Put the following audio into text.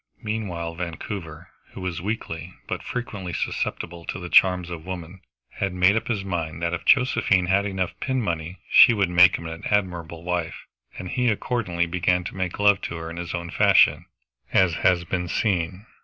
Meanwhile Vancouver, who was weakly but frequently susceptible to the charms of woman, had made up his mind that if Josephine had enough pin money she would make him an admirable wife, and he accordingly began to make love to her in his own fashion, as has been seen.